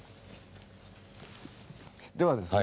ではですね